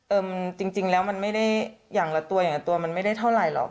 จริงแล้วมันไม่ได้อย่างละตัวอย่างละตัวมันไม่ได้เท่าไหร่หรอก